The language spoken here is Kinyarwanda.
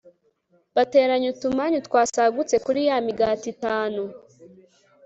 Bateranya utumanyu twasagutse kuri ya migati itanu